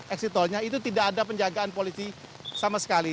eksit tolnya itu tidak ada penjagaan polisi sama sekali